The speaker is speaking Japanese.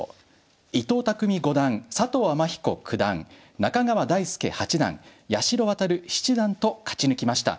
伊藤匠五段佐藤天彦九段中川大輔八段八代弥七段と勝ち抜きました。